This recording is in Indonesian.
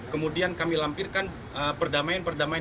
kemudian kami lampirkan perdamaian perdamaian